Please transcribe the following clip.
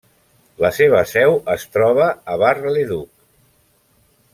La seva seu es troba a Bar-le-Duc.